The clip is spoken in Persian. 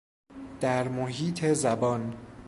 در محیط زبان